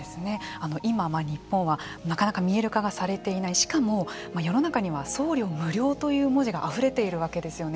今日本はなかなか見える化がされていないしかも世の中には送料無料という文字があふれているわけですよね。